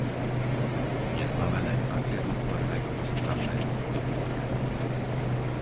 Je zbavené akéhokoľvek postranného politického motívu.